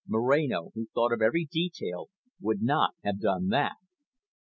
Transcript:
Moreno, who thought of every detail, would not have done that.